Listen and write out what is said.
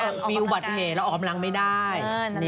แต่ว่ามีอุบัติเหตุเราออมรังไม่ได้